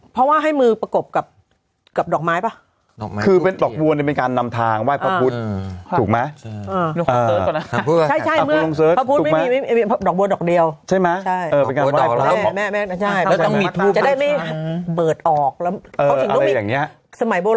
เพราะว่าให้มือประกบกับดอกไม้ป่ะ